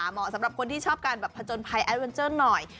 เหมาะสำหรับคนที่ชอบการแบบผจญภัยแอดเวนเจอร์หน่อย